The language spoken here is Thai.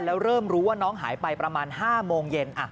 แล้วเริ่มรู้ว่าน้องหายไปประมาณ๕โมงเย็น